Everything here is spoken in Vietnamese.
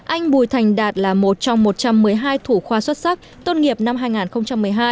anh bùi thành đạt là một trong một trăm một mươi hai thủ khoa xuất sắc tôn nghiệp năm hai nghìn một mươi hai